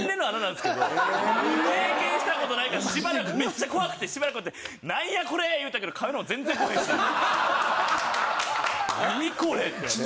経験した事ないからしばらくめっちゃ怖くてしばらく待って「なんやこれ！」言うたけどカメラも全然来へんし。